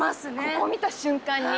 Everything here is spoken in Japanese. ここ見た瞬間に。